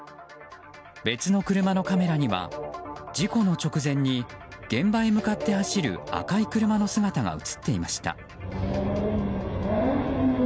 別の車のカメラには事故の直前に現場へ向かって走る赤い車の姿が映っていました。